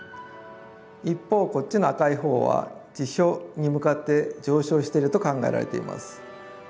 一方こっちの赤い方は地表に向かって上昇していると考えられています。